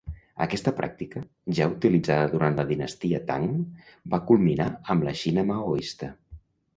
Aquesta pràctica, ja utilitzada durant la dinastia Tang, va culminar amb la Xina maoista.